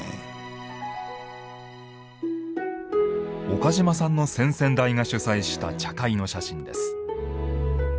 岡島さんの先々代が主催した茶会の写真です。